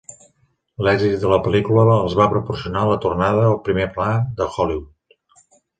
L'èxit de la pel·lícula els va proporcionar la tornada al primer pla de Hollywood.